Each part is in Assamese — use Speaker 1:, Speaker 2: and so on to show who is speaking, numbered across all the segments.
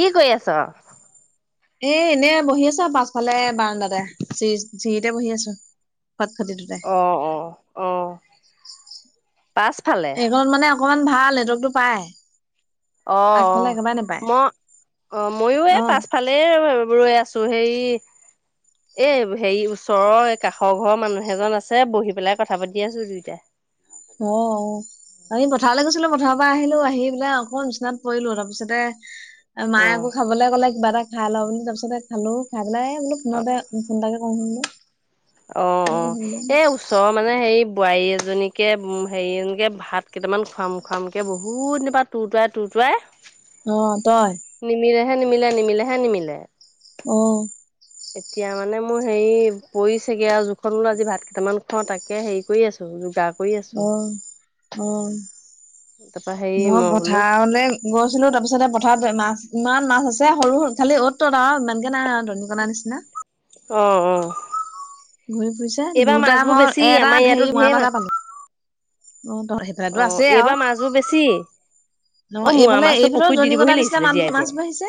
Speaker 1: কি কৰি আছ
Speaker 2: এ এনেই বহি আছোঁ আও পাছফালে বাৰাণ্ডাতে চি চিৰিতে বহি আছোঁ খটখটিটোতে
Speaker 1: অ' অ' অ' পাছফালে
Speaker 2: এইকনত মানে অকমান ভাল নেটৱৰ্কটো পায়
Speaker 1: অ' অ' ম অ ময়ো
Speaker 2: অ
Speaker 1: এই পাছফালে এই ৰৈ আছোঁ হেই এ হেৰি ওচৰৰ কাষৰ ঘৰৰ মানুহ এজন আছে বহি পেলাই কথা পাতি আছোঁ দুইটাই
Speaker 2: অঁ অঁ। আমি পথাৰলে গৈছিলো পথাৰৰ পৰা আহিলো আহি পেলাই অকমান বিচনাত পৰিলো। তাৰপিছতে- মায়ে
Speaker 1: অ',
Speaker 2: আকৌ খাবলে ক'লে কিবা এটা খাই লওঁ বুলি তাপিছতে খালো খাই পেলাই বোলো ফোনতে ফোন এটাকে- কও বুলো।
Speaker 1: অ অ' এই ওচ- চ মানে হেৰি বোৱাৰী এজনীকে হেৰিএজনীকে ভাত কেইটামান খুৱাম খোৱামকে বহুত দিনপা- টুটোৱাই টুটোৱাই-
Speaker 2: অঁ তই-
Speaker 1: নিমিলে হে নিমিলে নিমিলে হে নিমিলে।
Speaker 2: অঁ'
Speaker 1: এতিয়া মানে মোৰ হেৰি পৰিছেগে আও জোখত বোলো আজি ভাত কেইটামান খাওঁ তাকে হেৰি- কৰি আছো যোগা কৰি আছো।
Speaker 2: অ অ
Speaker 1: তাপা সেই মই বোলো-
Speaker 2: গৈছিলো তাৰপিছতে পথাৰত মাছ ইমান মাছ আছে সৰু সৰু খালি অ'ত ত'ত আৰু ইমানকে নাই আও দনি-
Speaker 1: অঁ অঁ।
Speaker 2: ঘূৰি ফুৰিছে দুটা মই এটা
Speaker 1: আমাৰ ইয়াতো
Speaker 2: হেৰি
Speaker 1: ঢেৰ
Speaker 2: ওৱান এটা পালো। অঁ ত হে-
Speaker 1: অঁ এইবাৰ মাছবোৰ বেছি।
Speaker 2: ন
Speaker 1: অ মোৱা
Speaker 2: এইফালে
Speaker 1: মাছটো
Speaker 2: এইফালেও
Speaker 1: পুখুৰীত দি
Speaker 2: দনিকণা
Speaker 1: দিবহি
Speaker 2: নিচিনা
Speaker 1: লাগিছিলে
Speaker 2: মানুহ
Speaker 1: জীয়াই
Speaker 2: মাছ
Speaker 1: জীয়াই।
Speaker 2: বাঢ়িছে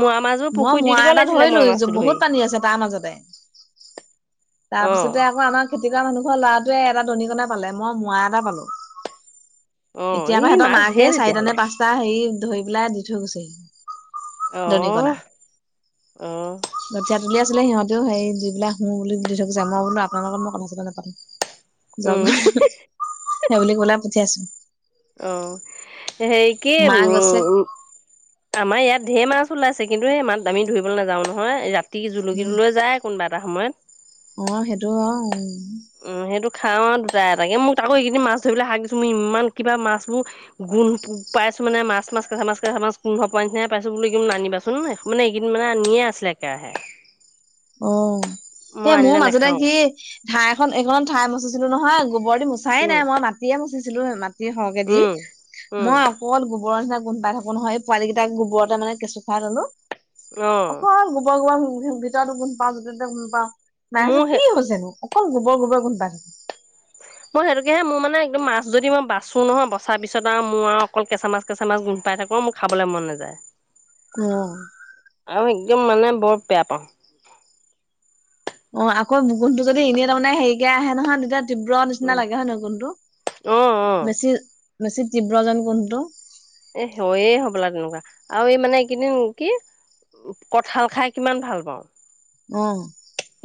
Speaker 1: মোৱা মাছবোৰ
Speaker 2: মই
Speaker 1: পুখুৰীত দি
Speaker 2: মোৱা
Speaker 1: দিব
Speaker 2: এটা
Speaker 1: লাগিছিলে মোৱা
Speaker 2: ধৰিলো
Speaker 1: মাছটো ধৰি
Speaker 2: বহুত পানী আছে তাৰ মাজতে। তাৰ
Speaker 1: অ
Speaker 2: পিছতে আকৌ আমাৰ খেতি কৰা মানুহ ঘৰ লৰাটোৱে এটা দনিকণা পালে মই মোৱা এটা পালো।
Speaker 1: অ
Speaker 2: এতিয়া আকৌ
Speaker 1: ই
Speaker 2: হেঁতৰ
Speaker 1: মাছ
Speaker 2: মাকে
Speaker 1: ঢেৰ
Speaker 2: চাৰিটা নে
Speaker 1: তেতিয়াহ'লে
Speaker 2: পাঁচটা হেৰি ধৰি পেলাই দি থৈ গৈছিল। দৰিকনা।
Speaker 1: অ অ
Speaker 2: গঠীয়া তলীয়া- আছিলে সিহঁতেও সেই যি বিলাক শোঁ বুলি দি থৈ গৈছে। মই বোলো আপোনাৰ লগত মই কথা চথা নাপাতো।
Speaker 1: উম
Speaker 2: জগ সেইবুলি কৈ পেলাই পঠিয়াই আছো।
Speaker 1: অঁ সেই কি
Speaker 2: মা গৈছে
Speaker 1: উম- আমাৰ ইয়াত ধেৰ মাছ ওলাইছে কিন্তু এই মাছ আমি ধৰিবলৈ নাযাওঁ নহয় ৰাতি জুলুকিটো লৈ যায়। কোনোবা এটা সময়ত।
Speaker 2: অঁ সেইটো অঁ।
Speaker 1: উম' সেইটো খাওঁ আৰু দুটা এটাকে মোক তাকো এইকেইদিন মাছ ধৰিবলে শাক দিছো মো ইমান কিবা মাছবোৰ- গোন্ধ পাইছো মানে মাছ মাছ কেঁচা মাছ কেঁচা মাছ গোন্ধ পোৱা নিছিনা পাইছো বুলি কি নানিবাছ- উম' মানে এইকেইদিন মানে নিয়ে আছিলে একেৰাহে।
Speaker 2: অ, সে
Speaker 1: মই
Speaker 2: মোৰ
Speaker 1: আনিলে
Speaker 2: মাজতে
Speaker 1: নাখাওঁ
Speaker 2: কি ঠাই এখন এইখন ঠাই মচিছিলো নহয় গোবৰ দি মোচ- চাই
Speaker 1: উম
Speaker 2: নাই মই মাটিয়ে মুচিছিলো মাটি সৰহকে দি।
Speaker 1: উম উম
Speaker 2: মই- অকল গোবৰ নিছিনা গোন্ধ পাই থাকো নহয় এই পোৱালী গিতাক গোবৰতে মানে কেঁচু খোৱাই ললো।
Speaker 1: অ
Speaker 2: অকল গোবৰ গোবৰ ভিতৰতো গোন্ধ পাওঁ যতে ততে গোন্ধ পাওঁ। মায়ে
Speaker 1: মোৰ
Speaker 2: কৈছে
Speaker 1: সেই
Speaker 2: কি হৈছেনো? অকল গোবৰ গোবৰ গোন্ধ পাই থাকো।
Speaker 1: মই সেইটোকেহে মোৰ মানে একদম মাছ যদি ময় বাছো নহয় বচাৰ পিছত আৰু মোৰ আৰু অকল কেঁচা মাছ কেঁচা মাছ গোন্ধ পাই থাকো মোক- খাবলে মন নাযায়।
Speaker 2: অঁ'
Speaker 1: আৰু একদম মানে বৰ বেয়া পাওঁ।
Speaker 2: অঁ আকৌ গোন্ধটো যদি এনেই তাৰমানে হেৰিকে আহে নহয় তেতিয়া- তীব্ৰ
Speaker 1: উম
Speaker 2: নিচিনা লাগে হয় নহয় গোন্ধটো?
Speaker 1: অ অ
Speaker 2: বেছি বেছি তীব্ৰজেন গোন্ধটো।
Speaker 1: এ হয়ে হ'বলা তেনেকুৱা। আৰু এই মানে এই কেইদিন কি? কঁঠাল খাই কিমান ভাল পাওঁ।
Speaker 2: অঁ।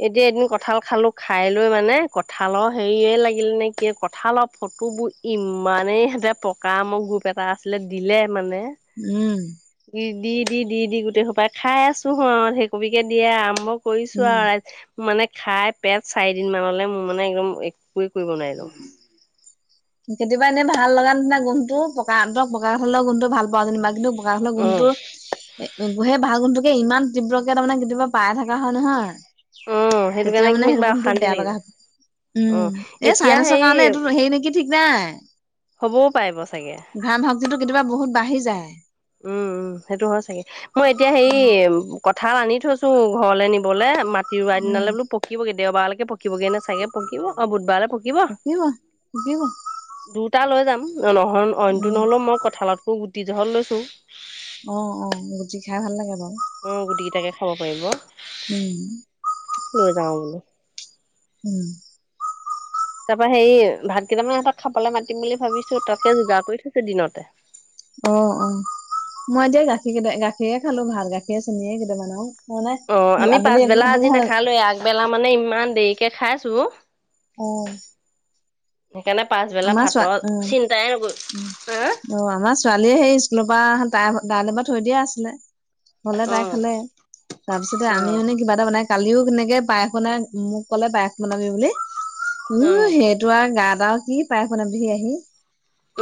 Speaker 1: এতিয়া এদিন কঁঠাল খালো খাই লৈ মানে কঁঠালৰ হেৰিয়ে লাগিলে নে কি কঁঠালৰ ফটো ইমানেই ইহঁতে পকা মোৰ গ্ৰোপ এটা আছিলে দিলে মানে
Speaker 2: উম
Speaker 1: দি দি দি দি গোটেই সোপাই খাই আছো হ সেই কবিকে দিয়ে আৰম্ভ কৰিছোঁ
Speaker 2: উম।
Speaker 1: আৰু ৰাই মানে খাই পেট চাৰি দিন মানলৈ মোৰ মানে একদম একোৱে কৰিব নোৱাৰিলো
Speaker 2: [unintelligible] কেতিয়াবা এনে ভাল লগা নিচিনা গুন্ধটো পকাহঁতক পকা কঁঠাল গুন্ধটো ভাল পাঁও যেনিবা কিন্তু বা কঁঠাল
Speaker 1: অ
Speaker 2: গোন্ধটো এ সেই ভাল গোন্ধটো কে ইমান তীব্ৰ কে তাৰমানে কেতিয়াবা পাই থকা হয় নহয়
Speaker 1: অ সেইটো
Speaker 2: তেতিয়া
Speaker 1: কাৰণে
Speaker 2: মানে সেই
Speaker 1: কিবা
Speaker 2: গুণটো
Speaker 1: অশান্তি
Speaker 2: বেয়া লগা
Speaker 1: লাগিল
Speaker 2: হ
Speaker 1: অ
Speaker 2: উম এই
Speaker 1: এতিয়া
Speaker 2: চাইনেছৰ
Speaker 1: হেৰি
Speaker 2: কাৰণে এইটো সেই নেকি ঠিক নাই
Speaker 1: হ'বও পাৰিব চাগে
Speaker 2: ঘাম ভাবতো কেতিয়াবা বহুত বাঢ়ি যায়
Speaker 1: উম উম সেইটো হয় চাগে মই এতিয়া হেৰি কঁঠাল আনি থৈছোঁ ঘৰলে নিবলৈ মাত তিওবাৰ
Speaker 2: উম
Speaker 1: দিনলে বোলো পকিবগে দেওবাৰলৈকে পকিবগে নে চাগে পকিব আৰু বুধবাৰলৈ
Speaker 2: পকিব পকিব
Speaker 1: দুটা লৈ যাম নহয় অইনটো
Speaker 2: উম
Speaker 1: নহ'লেও মই কঁঠালতকো গুটি জহত লৈছো
Speaker 2: অ অ গুটি খাই ভাল লাগে বাৰু
Speaker 1: উম গুটি কিটাকে খাব পাৰিব
Speaker 2: উম
Speaker 1: লৈ যাওঁ বোলোঁ
Speaker 2: উম।
Speaker 1: তাৰ পৰা হেৰি ভাত কেইটামান সিহতক খাবলে মাতিম বুলি ভাবিছোঁ তাকে যোগাৰ কৰি থৈছোঁ দিনতে
Speaker 2: অ অ মই এতিয়া গাখীৰ কেইটা গাখী খালোঁ চেনিয়ে কেইটামান আৰু। মানে
Speaker 1: অ আমি
Speaker 2: আবেলি একো
Speaker 1: পাচবেলা
Speaker 2: খাব
Speaker 1: আজি
Speaker 2: নহ'ল
Speaker 1: নাখালোঁ আগবেলা মানে ইমান দেৰিকে খাইছোঁ।
Speaker 2: অ।
Speaker 1: পাছবেলা
Speaker 2: আমাৰ চোৱা
Speaker 1: ভাতৰ
Speaker 2: উম
Speaker 1: চিন্তাই নকৰো
Speaker 2: উম
Speaker 1: হা।
Speaker 2: অ আমাৰ ছোৱালীয়ে সেই স্কুলৰ পৰা তাই তাইলে পা থৈ দিয়া আছিলে। হলে তাই
Speaker 1: হা
Speaker 2: খালে তাৰপিছতে আমি এনে কিবা এটা বনাই কালিও কেনেকে পায়স বনাই মোক ক'লে পায়স বনাবি বুলি
Speaker 1: অ অ
Speaker 2: উ
Speaker 1: অ
Speaker 2: সেই। তোৰ গা এটা আৰু কি পায়স বনাবিহি আহি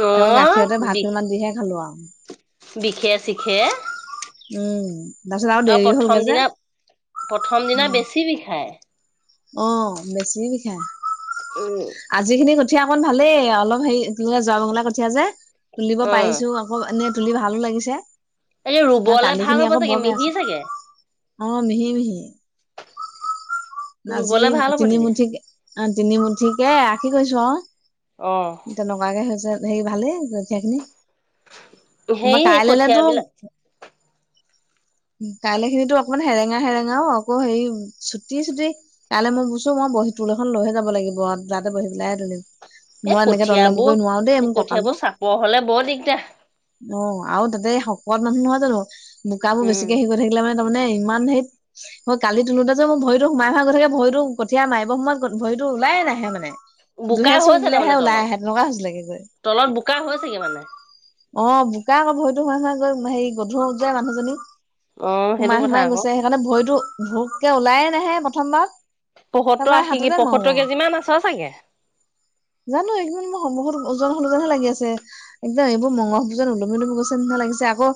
Speaker 1: অ
Speaker 2: গাখীৰতে ভাত
Speaker 1: বিষ
Speaker 2: কেইটা মান দিহে খালো আৰু
Speaker 1: বিষে শিখে।
Speaker 2: উম তাৰপিছত আৰু দেৰি
Speaker 1: প্ৰথম
Speaker 2: হ'লগে যে উম।
Speaker 1: কি দি খায়।
Speaker 2: অ বেছি বিষাই।
Speaker 1: উম
Speaker 2: আজি কঠীয়া অকণ ভালেই অলপ যোৱা মঙলা কঠীয়া যে তুলিব
Speaker 1: অ
Speaker 2: পাৰিছো ব এনেই তুলি ভালো লাগিছে
Speaker 1: এই
Speaker 2: বা
Speaker 1: ৰুবলে
Speaker 2: কালি
Speaker 1: ভাল
Speaker 2: খিনি
Speaker 1: হ'ব
Speaker 2: আকৌ
Speaker 1: চাগে
Speaker 2: বৰ বেয়া
Speaker 1: মিহি
Speaker 2: আছে।
Speaker 1: চাগে
Speaker 2: অ মিহি মিহি। আজি
Speaker 1: ৰুবলে ভাল হ'ব তেতিয়া
Speaker 2: তিনিমুঠিক অ তিনিমুঠিকে আ কি কৰিছো আৰু
Speaker 1: অঁ।
Speaker 2: তেনেকুৱাকে হৈছে ভালেই কঠীয়া খিনি বা
Speaker 1: সেই
Speaker 2: কায়লৈলেতো
Speaker 1: কঠিয়াবিলাক
Speaker 2: কাইলে খিনিতো অকমান সেৰেঙা সেৰেঙাও আকৌ হেৰি চুটি চুটি কাইলৈ মই বুছো মই বহি তোল এখন লৈহে যাব লাগিব, যাতে বহি পেলাই তুলিম।
Speaker 1: এ
Speaker 2: মই এনেকে তললে
Speaker 1: কঠিয়াবোৰ
Speaker 2: মূৰকৰি নোৱাৰো দেই মোৰ কঁকালটো।
Speaker 1: কঠিয়াবোৰ চাপৰ হলে বৰ দিগদাৰ
Speaker 2: অ আৰু তাতে শকত মানুহ নহয় জানো, বোকাবোৰ বেছিকে সেই কৰি থাকিলে মানে তাৰমানে ইমান হেইত, মই কালি তোলোতা যে মই ভৰিতো সোমাই সোমাই গৈ থাকে ভৰিতো কঠিয়া মাৰিব সময়ত ভৰি ওলাইয়ে নাহে মানে।
Speaker 1: বোকা
Speaker 2: দুহেচোক
Speaker 1: হৈছে
Speaker 2: দিলেহে
Speaker 1: তাৰমানে
Speaker 2: ওলাই
Speaker 1: তলত
Speaker 2: আহে তেনেকুৱা হৈছিলেগে গৈ।
Speaker 1: তলত বোকা হৈছেগে মানে
Speaker 2: অ বোকাক ভৰিতো সোমাই সোমাই গৈ হেৰি গধুৰ যে মানুহজনী।
Speaker 1: অ সেইটো
Speaker 2: সোমাই
Speaker 1: কথা
Speaker 2: সোমাই গৈছে
Speaker 1: আকৌ
Speaker 2: সেইকাৰণে ভৰিতো ভোককে ওলায়ে নাহে প্ৰথমবাৰ।
Speaker 1: পয়সত্তৰ আশী কে পয়সত্তৰ কেজিমান আছ চাগে।
Speaker 2: জানো একেইদিন মই সন্মুখত [unintelligible] ওজন লাগি আছে। একদম এইবোৰ মঙহবোৰ যেন ওলমি ওলমি গৈছে নিচিনা লাগিছে আকৌ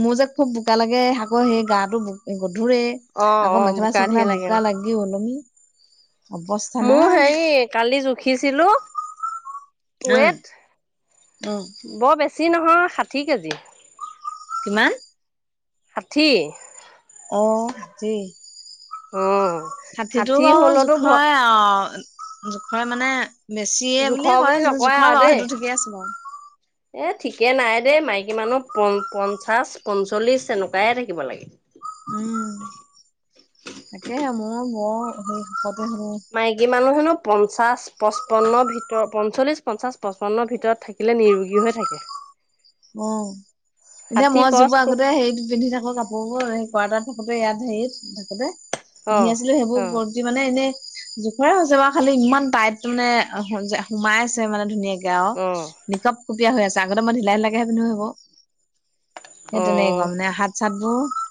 Speaker 2: মোৰ যে খুব বোকা লাগে আকৌ সেই গাটো ব গধূৰে।
Speaker 1: অ অ
Speaker 2: আকৌ মেখেলা
Speaker 1: বোকা
Speaker 2: চেখেলা
Speaker 1: ধেৰ লাগে
Speaker 2: বোকা লাগি ওলমি অৱস্থা
Speaker 1: মোৰ
Speaker 2: নাই।
Speaker 1: হেৰি কালি জুখিছিলো
Speaker 2: অ
Speaker 1: ৱেট।
Speaker 2: অ
Speaker 1: বৰ বেছি নহয় ষাঠি কেজি।
Speaker 2: কিমান?
Speaker 1: ষাঠি।
Speaker 2: অ ষাঠি।
Speaker 1: অ।
Speaker 2: ষাঠিটো
Speaker 1: ষাঠি
Speaker 2: বাৰু
Speaker 1: হলতো ভ
Speaker 2: জোখৰে আও। অ জোখৰে মানে বেছিয়ে বুলিয়ে
Speaker 1: জোখৰ বুলি
Speaker 2: কয় য
Speaker 1: নকয়
Speaker 2: জোখৰে
Speaker 1: আৰু
Speaker 2: বাৰু
Speaker 1: দেই
Speaker 2: সেইটো ঠিকে আছে বাৰু।
Speaker 1: এ ঠিকে নাই দেই মাইকী মানুহ প পঞ্চাশ পঞ্চল্লিশ এনেকুৱাইে থাকিব লাগে।
Speaker 2: উম, তাকেহে মই বৰ সেই শকতে হেনো।
Speaker 1: মাইকী মানুহ হেনো পঞ্চাছ পঁচপন্নৰ ভিতৰত পঞ্চল্লিছ পঞ্চাছ পঁচপন্নৰ ভিতৰত থাক কিলে নিৰোগী হৈ থাকে।
Speaker 2: অ', এতিয়া
Speaker 1: ষাঠি
Speaker 2: মই
Speaker 1: ক্ৰচ
Speaker 2: যিবোৰ আগতে হেৰিত পিন্ধি থাকো কাপ [unintelligible] কুৱাতাত থাকোতে ইয়াত হেৰিত, থাকোতে
Speaker 1: অ
Speaker 2: পিন্ধি আছিলো
Speaker 1: অ
Speaker 2: সেইবোৰ আজি মানে এনে জোখৰে হৈছে বাৰু খালি ইমান টাইট মানে, [unintelligible] সোমাই আছে মানে ধুনীয়াকে। আৰু,
Speaker 1: অ
Speaker 2: নিকপ কুপিয়া হৈ আছে, আগতে ঢিলা ঢিলাকেহে পিন্ধো সেইবোৰ। সেই
Speaker 1: অ
Speaker 2: তেনেকোৱা মানে হাত চাতবোৰ,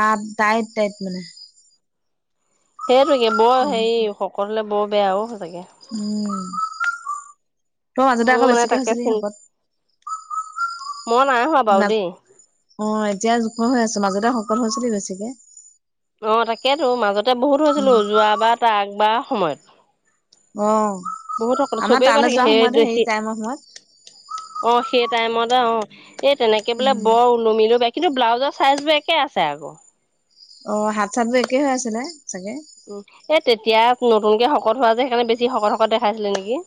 Speaker 2: তাত টাইট টাইট মানে।
Speaker 1: সেইটোকে বৰ হেৰি শকত হ'লে বৰ বেয়া অ' সচাকে।
Speaker 2: উম', তই মাজতে
Speaker 1: মোৰ
Speaker 2: আকৌ
Speaker 1: মানে
Speaker 2: বেছিকে
Speaker 1: তাকে
Speaker 2: হৈছিলি
Speaker 1: চিন
Speaker 2: শকত।
Speaker 1: মই নাই হোৱা বাৰু
Speaker 2: না
Speaker 1: দেই।
Speaker 2: অ', এতিয়া জোখৰ হৈ আছ, মাজতে শকত হৈছিলি বেছিকে।
Speaker 1: অ', তাকেইতো মাজতে বহুত হৈছিলো,
Speaker 2: উম
Speaker 1: যোৱাবাৰ তাৰ আগবাৰ সময়ত।
Speaker 2: অ
Speaker 1: বহুত [unintelligible]
Speaker 2: আমাৰ
Speaker 1: চবেই কয়
Speaker 2: তালৈ
Speaker 1: থাকে
Speaker 2: যোৱা
Speaker 1: হে
Speaker 2: সময়তে
Speaker 1: তই
Speaker 2: হেৰি
Speaker 1: সি
Speaker 2: টাইমৰ সময়ত
Speaker 1: অ', সেই টাইমতে অ' এই তেনেকে বোলে
Speaker 2: উম
Speaker 1: বৰ নমিলো ব' কিন্তু ব্লাজৰ চাইজবোৰ একে আছে আকৌ।
Speaker 2: অ', হাত চাত যে একে হৈ আছিলে চাগে।
Speaker 1: উম', এ তেতিয়া নতুনকে শকত হোৱা যে, সেইকাৰণে বেছি শকত শকত দেখাইছিলে নেকি?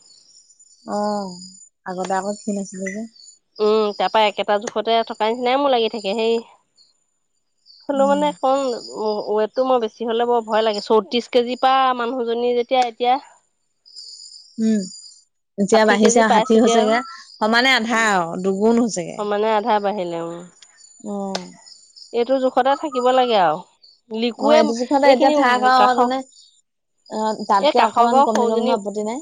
Speaker 2: অ', আগতে আকৌ ক্ষীণ আছিলে যে।
Speaker 1: উম', তাৰ পৰা একেটা জোখতে থকাৰ নিচিনাই মোৰ লাগি থাকে সেই হ'লো
Speaker 2: উম
Speaker 1: মানে কম ৱেটটো মই বেছি হলে বৰ ভয় লাগে, চৌত্ৰিশ কেজিৰ পৰা মানুহজনী যেতিয়া এতিয়া
Speaker 2: উম', এতিয়া
Speaker 1: ষাঠি
Speaker 2: বাঢ়িছে
Speaker 1: কেজি
Speaker 2: আৰু ষাঠি
Speaker 1: পাইছোগে আৰু
Speaker 2: হৈছেগে, সমানে আধা আৰু দুগুণ হৈছেগে।
Speaker 1: মানে আধা বঢ়িলে উম।
Speaker 2: অ'
Speaker 1: এইটো জোখতে থাকিব লাগে আৰু।
Speaker 2: অ',
Speaker 1: লিকুৱে
Speaker 2: এইটো জোখতে এতিয়া
Speaker 1: এইখিনি
Speaker 2: থাক আৰু
Speaker 1: কাষৰ
Speaker 2: তাৰমানে
Speaker 1: এই
Speaker 2: তাতকে
Speaker 1: কাষৰ
Speaker 2: অকমান
Speaker 1: ঘৰ
Speaker 2: কমি লেওঁ
Speaker 1: সৰুজনী
Speaker 2: আপত্তি নাই।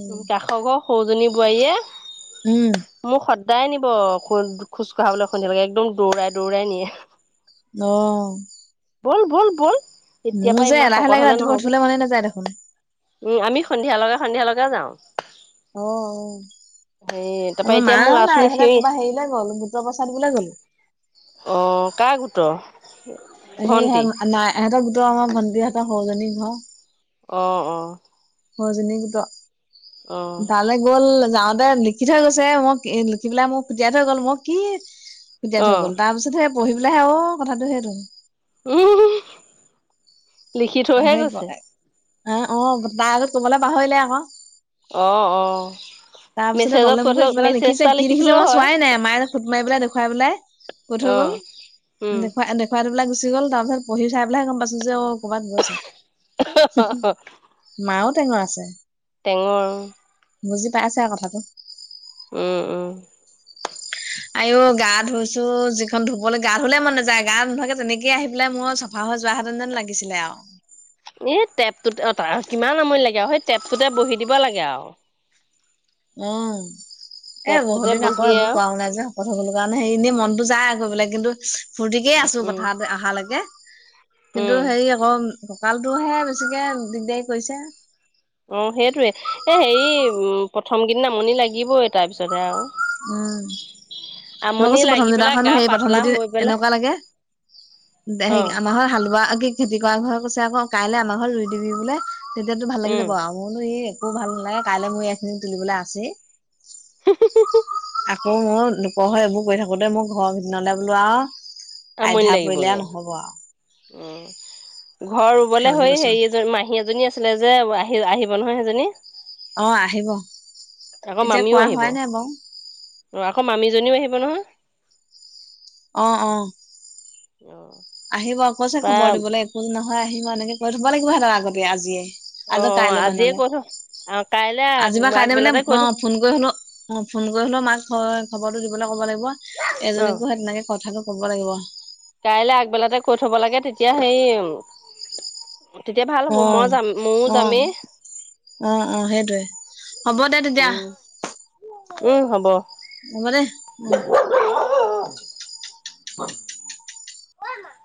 Speaker 2: উম
Speaker 1: কাষৰ ঘৰ সৰুজনী বোৱাৰীয়ে
Speaker 2: উম',
Speaker 1: মোক সদায় নিব খো- খোজ কঢ়াবলৈ [unintelligible] লাগে' একদম দৌৰাই দৌৰাই নিয়ে।
Speaker 2: অ',
Speaker 1: বল বল বল এতিয়াৰ
Speaker 2: মোৰ
Speaker 1: পৰা
Speaker 2: যে
Speaker 1: ইমান
Speaker 2: এলাহে
Speaker 1: শকত
Speaker 2: লাগে
Speaker 1: হলে
Speaker 2: ৰাতিপুৱা
Speaker 1: নহ'ব।
Speaker 2: উঠিবলৈ মনে নাযায় দেখোন
Speaker 1: উম', আমি সন্ধিয়া লগা সন্ধিয়া লগা যাওঁ।
Speaker 2: অ অ
Speaker 1: হেই তাৰপৰা
Speaker 2: আমাৰ
Speaker 1: এতিয়া
Speaker 2: মাও
Speaker 1: মোক
Speaker 2: নাই
Speaker 1: [unintelligible]
Speaker 2: এইফালে ক'ৰবা হেৰিলে গ'ল, গোটৰ পইছা দিবলে গ'ল।
Speaker 1: অ', কাৰ গোটৰ? ভন্টি
Speaker 2: [unintelligible] নাই ইহঁত গোটৰ আমাৰ ভণ্টিৰ হতঁৰ সৰুজনী ঘৰ
Speaker 1: অ', অ',
Speaker 2: সৰু জনী
Speaker 1: অ
Speaker 2: গোটৰ তাত গ'ল যাওঁতে লিখি থৈ গৈছে, মই লিখি পেলাই মোক ফুটিয়াই থৈ গ'ল মই কি [unintelligible]
Speaker 1: অ
Speaker 2: থৈ গ'ল, তাৰ পিছত হে পঢ়ি পেলাই অ' কথাটো সেইটো।
Speaker 1: উম', লিখি
Speaker 2: অ',
Speaker 1: থৈহে গৈছে
Speaker 2: অ' তাৰ আগত কবলৈ পাহৰিলে আকৌ।
Speaker 1: অ', অ',
Speaker 2: তাৰপিছতে
Speaker 1: মেছেজত
Speaker 2: তলে
Speaker 1: কৈ
Speaker 2: মোক কৰি
Speaker 1: থৈ
Speaker 2: কিবা এটা
Speaker 1: মেছেজ
Speaker 2: লিখিছে, কি
Speaker 1: লিখি
Speaker 2: লিখিছে
Speaker 1: থলেও
Speaker 2: মই
Speaker 1: হয়
Speaker 2: চোৱাই নাই মায়ে ফটো মাৰি পেলাই দেখুৱাই পেলাই কৈ থই
Speaker 1: অ
Speaker 2: গ'ল,
Speaker 1: উম
Speaker 2: এনেকোৱা এনেকোৱা খুয়াই থই পেলে গুচি গ'ল, তাৰ পিছত পঢ়ি চাই পেলাইহে গম পাইছো যে অ' ক'ৰবাত গৈছে। মাও টেঙৰ আছে।
Speaker 1: টেঙৰ উম',।
Speaker 2: বুজি পাইছে আৰু কথাটো।
Speaker 1: উম উম।
Speaker 2: আইঔ গা ধুইছোঁ যিখন ধুবলৈ গা ধুললে মন নাযায় গা নুধোৱাকে তেনেকে আহি পেলাই মই চা ভা হৈ যোৱা হেতেন লাগিছিলে আৰু
Speaker 1: এই টেপটোত কিমান আমনি লাগে আৰু সেই টেপটোতে বহি দিব লাগে আৰু।
Speaker 2: অ এ
Speaker 1: টেপটোতে
Speaker 2: বহুতদিন আকৌ
Speaker 1: বহিয়ে
Speaker 2: এইবোৰ
Speaker 1: আৰু
Speaker 2: কৰাও নাই যে। কথা ক'ব লগা নাই এনেই মনতো যায় আৰু কৰিবলৈ কিন্তু ফূৰ্তিকে আছোঁ
Speaker 1: উম
Speaker 2: পথাৰত অহালৈকে
Speaker 1: উম
Speaker 2: কিন্তু হেৰি অকৌ কঁকালটোহে বেছিকে দিগদাৰি কৰিছে।
Speaker 1: অ সেইটোৱে এ হেৰি উ প্ৰথম কেইদিন আমনি লাগিবই তাৰ পিছতহে আৰু
Speaker 2: উম মই
Speaker 1: আমনি লাগি পেলাই গা পাতলা হৈ পেলাই
Speaker 2: নালাগে হেৰি
Speaker 1: অ
Speaker 2: আমাৰ ঘৰত হাল বোৱা কি খেতি কৰা ঘৰ কৈছে আকৌ কাইলৈ আমাৰ ঘৰত ৰুই দিবি বোলে। তেতিয়াতো ভাল লাগি
Speaker 1: উম
Speaker 2: যাব আও মই বুলো একো ভাল নালাগে কাইলৈ মোৰ এইখিনি তুলিবলৈ আছে
Speaker 1: [inaudible]
Speaker 2: আকৌ মোৰ দুপৰ হৈ এইবোৰ কৰি থাকোতে মোৰ ঘৰৰ [unintelligible] বোলো আৰু
Speaker 1: আমনি
Speaker 2: আধ্যা পৰিলে
Speaker 1: লাগিবগে
Speaker 2: নহ'ব আৰু।
Speaker 1: ঘৰ
Speaker 2: সেই
Speaker 1: ৰুবলৈ
Speaker 2: বুলি
Speaker 1: হৈ
Speaker 2: কৈছো
Speaker 1: হেৰি এজনী মাহী এজনী আছে আছিলে যে আহি আহিব নহয় সেইজনী
Speaker 2: অ আহিব এতিয়া কোৱা হোৱাই নাই বাউ
Speaker 1: অঁ আকৌ মামীজনীও আহিব নহয়
Speaker 2: অ‌ অ
Speaker 1: অ।
Speaker 2: আহিব অ কৈছে খবৰ
Speaker 1: প্ৰায়
Speaker 2: দিবলৈ একো নহয় আহিম আ এনেকে কৈ থব লাগিব সিহতৰ আগতি আজিয়ে।
Speaker 1: অ',
Speaker 2: আক কাইলে
Speaker 1: আজিয়ে
Speaker 2: মানলে
Speaker 1: কৈ থ অ', কাইলে
Speaker 2: আজি পৰা কাইলে মানে
Speaker 1: আগবেলাতে কৈ
Speaker 2: অ
Speaker 1: থ
Speaker 2: ফোন কৰি হলৌ অ ফোন কৰি হ'লেও মাক খ খবৰটো দিবলৈ ক'ব লাগিব
Speaker 1: অ',
Speaker 2: এজনীকো সে তেনেকে কথাটো ক'ব লাগিব।
Speaker 1: কাইলে আগবেলাতে কৈ থব লাগে তেতিয়া সেই তেতিয়া ভাল হ'ব
Speaker 2: অ
Speaker 1: মই যাম ময়ো
Speaker 2: অ
Speaker 1: যামেই।
Speaker 2: অ অ সেইটোয়ে। হ'ব দে তেত
Speaker 1: উম উম হব।
Speaker 2: হ'ব দে উম।